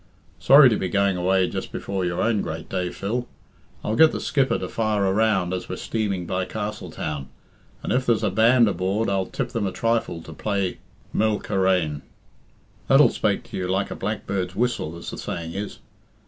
"Sorry to be going away just before your own great day, Phil. I'll get the skipper to fire a round as we're steaming by Castletown, and if there's a band aboord I'll tip them a trifle to play 'Myle Charaine.' That'll spake to you like the blackbird's whistle, as the saying is.